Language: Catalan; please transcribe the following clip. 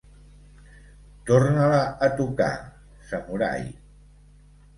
Torna-la a tocar, samurai.